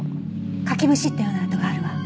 かきむしったような跡があるわ。